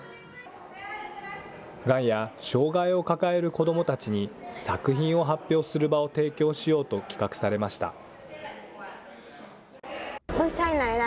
がんや障害を抱える子どもたちに作品を発表する場を提供しようと企画されました。